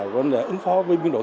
vấn đề ứng phó với biến đổi